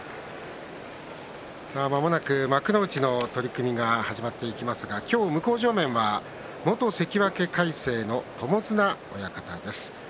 まもなく幕内の取組が始まっていきますが今日、向正面は元関脇魁聖の友綱親方です。